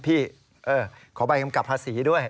พี่ขอใบกำกับภาษีด้วย